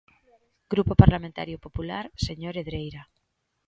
Grupo Parlamentario Popular, señor Hedreira.